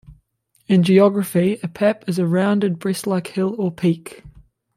In geography a pap is a rounded, breast-like hill or peak.